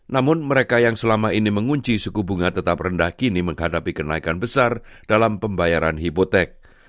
namun mereka yang selama ini mengunci suku bunga tetap rendah kini menghadapi kenaikan besar dalam pembayaran hipotek